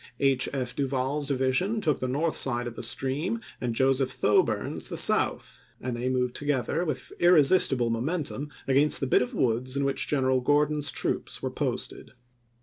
H. F. Duval's division took the north side of the stream and Joseph Thoburn's the south, and they moved together with irresistible momentum against the bit of woods in which General Gordon's troops were posted.